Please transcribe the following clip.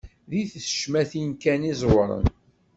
Di tecmatin kan i ẓewren.